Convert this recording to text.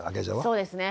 そうですね。